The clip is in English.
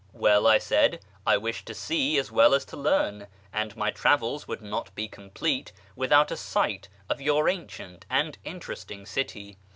" Well," I said, " I wished to see as well as to learn, and my travels would not be complete without a sight of your ancient and interesting city.